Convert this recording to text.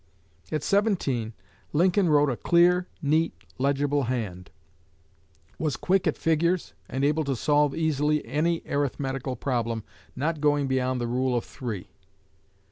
At seventeen Lincoln wrote a clear, neat, legible hand, was quick at figures and able to solve easily any arithmetical problem not going beyond the "Rule of Three."